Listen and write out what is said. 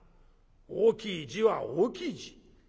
大きい字は大きい字。